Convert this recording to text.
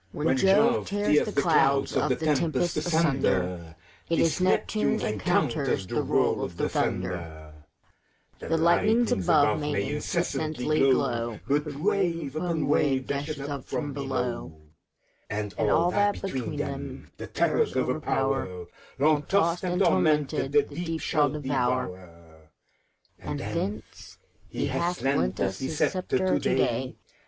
When Jove tears the clouds of the tempest asunder, 126 FAUST, 'T is Neptune encounters the roll of the thunder : The lightnings above may incessantly glow. But wave upon wave dashes up from below. And all that, between them, the terrors o'erpower, Long tossed and tormented, the Deep shall devour; And thence he hath lent us his sceptre to day.